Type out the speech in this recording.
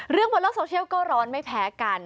บนโลกโซเชียลก็ร้อนไม่แพ้กัน